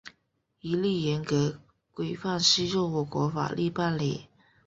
一律严格、规范适用我国法律办理